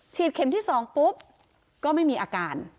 ฉีดเข็มที่สองปุ๊บก็ไม่มีอาการ